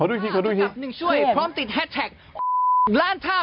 อุ๊ยขยะ